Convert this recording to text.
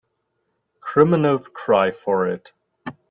Criminals cry for it.